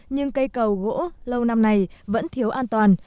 nhưng cây cầu gỗ lâu năm này vẫn thiếu an toàn